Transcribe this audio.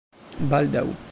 baldaŭ